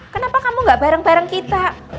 kenapa kamu gak bareng bareng kita